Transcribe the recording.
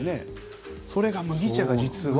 それが麦茶が実は。